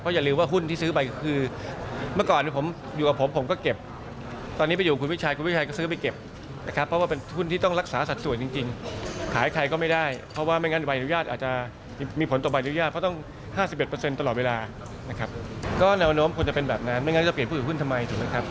ก็แนวโน้มควรจะเป็นแบบนั้นไม่งั้นจะเปลี่ยนผู้ถือหุ้นทำไม